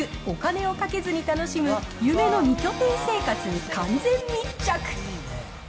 お金をかけずに楽しむ夢の２拠点生活に完全密着。